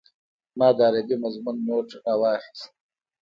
ما د عربي مضمون نوټ راواخيست.